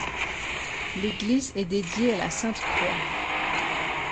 L’église est dédiée à la Sainte Croix.